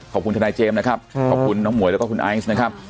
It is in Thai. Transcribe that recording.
ขอบคุณทนายเจมส์ขอบคุณหน้าห์หม่วยแล้วก็คุณไอซนะครับ